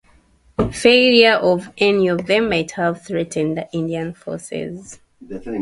Failure of any of them might have threatened the Indian forces.